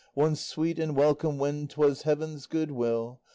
Once sweet and welcome when 'twas heaven's good will.